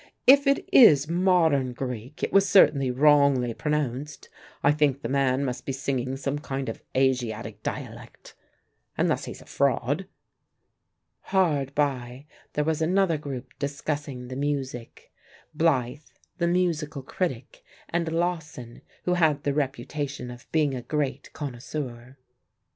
If it is modern Greek it was certainly wrongly pronounced. I think the man must be singing some kind of Asiatic dialect unless he's a fraud." Hard by there was another group discussing the music: Blythe, the musical critic, and Lawson, who had the reputation of being a great connoisseur.